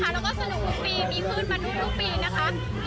มาเล่นน้ำที่จังหวัดขอนแก่นที่สนุกข้าวเหลียวได้นะคะ